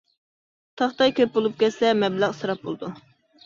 تاختاي كۆپ بولۇپ كەتسە، مەبلەغ ئىسراپ بولىدۇ.